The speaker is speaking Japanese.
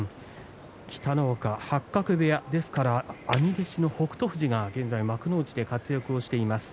北の若、八角部屋ですから兄弟子の北勝富士が現在幕内で活躍をしています。